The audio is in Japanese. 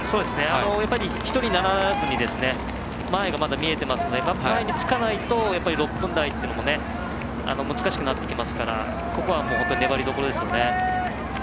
やっぱり１人にならずに前がまだ見えていますので前につかないと６分台は難しくなってきますからここは、本当にねばりどころです。